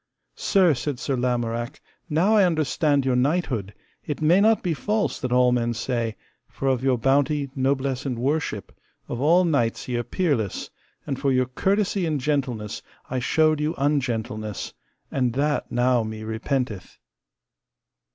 Sir, said Sir Lamorak, now I understand your knighthood, it may not be false that all men say, for of your bounty, noblesse, and worship, of all knights ye are peerless, and for your courtesy and gentleness I showed you ungentleness, and that now me repenteth.